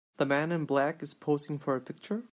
The man in black is posing for a picture.